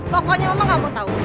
pokoknya mama gak mau tau